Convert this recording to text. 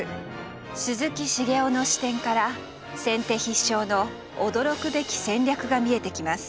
鈴木茂夫の視点から先手必勝の驚くべき戦略が見えてきます。